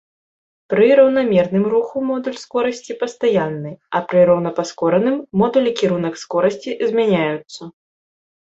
Пры раўнамерным руху модуль скорасці пастаянны, а пры роўнапаскораным модуль і кірунак скорасці змяняюцца.